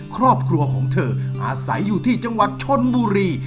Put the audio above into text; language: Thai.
ครอบครัวของเธออาศัยอยู่ที่จังหวัดชนบุรี